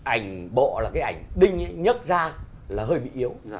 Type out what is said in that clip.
ảnh bộ là cái ảnh đinh ấy nhấc ra là hơi bị yếu